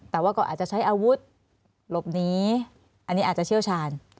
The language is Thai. แต่ว่าก็อาจจะใช้อาวุธหลบหนีอันนี้อาจจะเชี่ยวชาญ